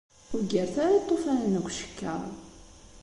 Ur ggaret ara iṭufanen deg ucekkaṛ!